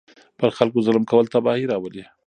پر خلکو ظلم کول تباهي راولي.